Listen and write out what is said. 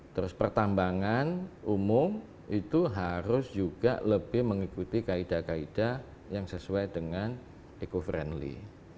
terus pertambangan umum itu harus juga lebih mengikuti kaedah kaedah yang sesuai dengan eco friendly